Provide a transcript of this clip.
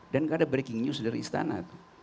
dan tidak ada breaking news dari istana